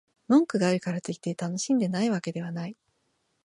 文句があるからといって、楽しんでないわけではない